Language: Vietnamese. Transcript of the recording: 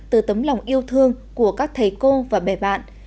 từ tấm lòng yêu thương của các thầy cô và bè bạn